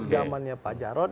zamannya pak jarod